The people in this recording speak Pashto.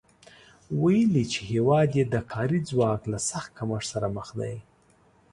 ویلي چې هېواد یې د کاري ځواک له سخت کمښت سره مخ دی